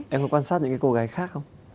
em có quan sát những cô gái khác không